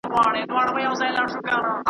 چي یاران ورباندي تللي له ضروره .